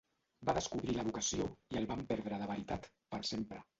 Va descobrir la vocació i el vam perdre de veritat, per sempre.